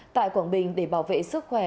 tại quảng bình để bảo vệ sức khỏe